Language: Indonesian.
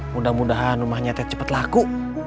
mudah mudahan rumah nyatet cepet laku